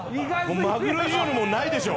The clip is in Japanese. マグロ以上のもんないでしょ。